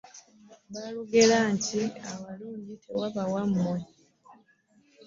Baalugera dda nti awalungi tewaba wammwe.